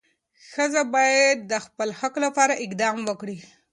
ښځه باید د خپل حق لپاره اقدام وکړي.